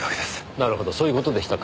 なるほどそういう事でしたか。